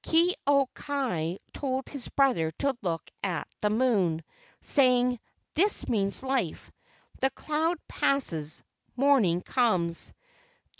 Ke au kai told his brother to look at the moon, saying: "This means life. The cloud passes, morning comes."